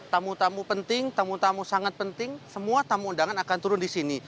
tamu tamu penting tamu tamu sangat penting semua tamu undangan akan turun di sini